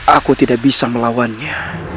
aku tidak bisa melawannya